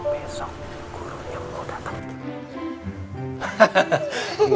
besok gurunya aku dateng